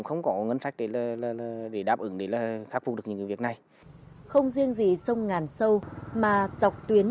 không chỉ sâu ngàn sâu mà dọc tuyến